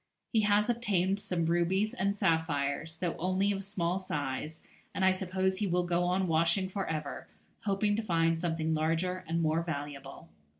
He has obtained some rubies and sapphires, though only of small size, and I suppose he will go on washing for ever, hoping to find something larger and more valuable.